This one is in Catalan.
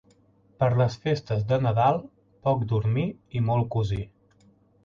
Per les festes de Nadal, poc dormir i molt cosir.